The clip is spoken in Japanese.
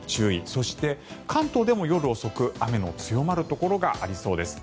そして、関東でも夜遅く雨の強まるところがありそうです。